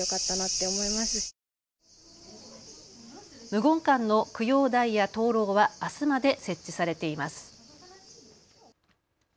無言館の供養台や灯籠はあすまで設置されています。